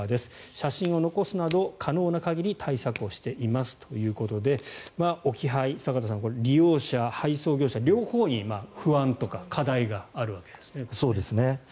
写真を残すなど可能な限り対策をしていますということで置き配、坂田さん利用者、配送業者両方に不安とか課題があるわけですね。